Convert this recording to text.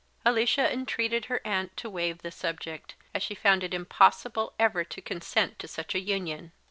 Alicia entreated her aunt to waive the subject, as she found it impossible ever to consent to such a union.